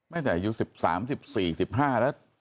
ไม่ได้อยู่๑๓๑๔๑๕แล้ว